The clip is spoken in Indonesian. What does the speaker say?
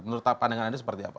menurut pandangan anda seperti apa